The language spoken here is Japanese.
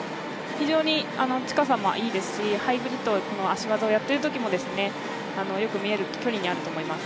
非常に近さもいいですし、ハイブリッドの足技をやっているときもよく見える距離にあると思います。